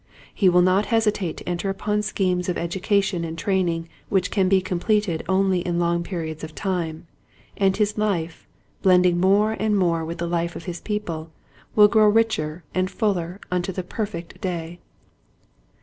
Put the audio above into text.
He will not hesitate to enter upon schemes of education and train ing which can be completed only in long periods of time, and his life, blending more and more with the life of his people, will grow richer and fuller unto the perfect day.